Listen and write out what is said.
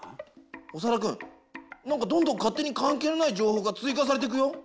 オサダくん何かどんどん勝手に関係のない情報が追加されていくよ。